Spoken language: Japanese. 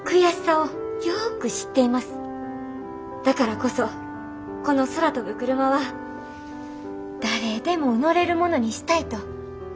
だからこそこの空飛ぶクルマは誰でも乗れるものにしたいと考えています。